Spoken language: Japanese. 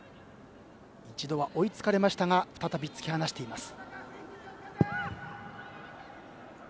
一度は追いつかれましたが再び突き放しています。